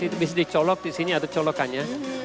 itu bisa dicolok di sini ada colokannya